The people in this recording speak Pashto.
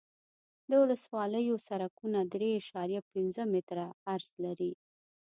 د ولسوالیو سرکونه درې اعشاریه پنځه متره عرض لري